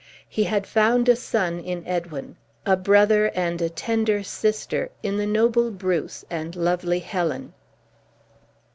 He had found a son in Edwin; a brother, and a tender sister in the noble Bruce and lovely Helen.